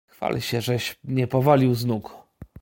"Chwal się żeś mnie powalił z nóg."